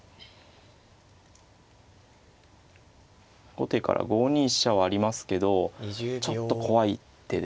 後手から５二飛車はありますけどちょっと怖い手ですね。